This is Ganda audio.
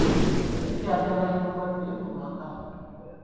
Enzijanjaba y’obulwadde mu maka.